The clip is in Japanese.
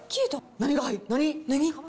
何？